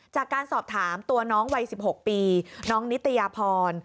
จากการสอบถามตัวน้องวัย๑๖ปีน้องนิตยาพร